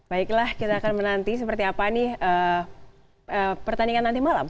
baiklah kita akan menanti seperti apa nih pertandingan nanti malam